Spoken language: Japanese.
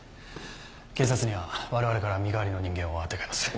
警察にはわれわれから身代わりの人間をあてがいます。